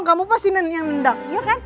kamu pasti yang nendang iya kan